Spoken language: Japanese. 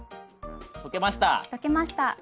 溶けました。